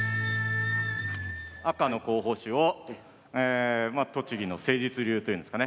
赤の候補手をまあ栃木の誠実流というんですかね。